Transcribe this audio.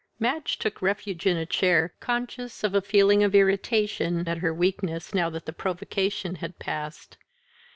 Madge took refuge in a chair, conscious of a feeling of irritation at her weakness now that the provocation had passed.